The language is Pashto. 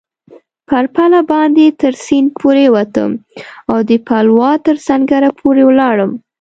پر پله باندې تر سیند پورېوتم او د پلاوا تر سنګره پورې ولاړم.